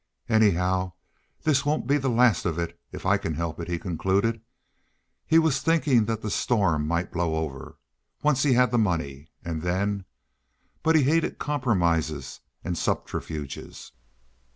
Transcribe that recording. "Anyhow, this won't be the last of it, if I can help it," he concluded. He was thinking that the storm might blow over; once he had the money, and then—but he hated compromises and subterfuges.